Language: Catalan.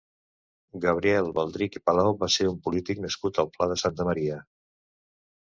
Gabriel Baldrich i Palau va ser un polític nascut al Pla de Santa Maria.